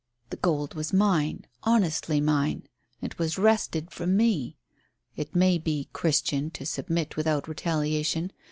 "The gold was mine honestly mine. It was wrested from me. It may be Christian to submit without retaliation.